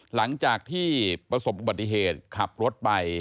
หลังจากที่ประสบอุบัติเหตุขับรถไป